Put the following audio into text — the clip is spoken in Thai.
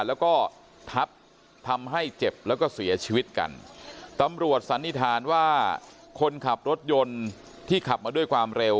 แล้วก็ทับทำให้เจ็บแล้วก็เสียชีวิตกันตำรวจสันนิษฐานว่าคนขับรถยนต์ที่ขับมาด้วยความเร็ว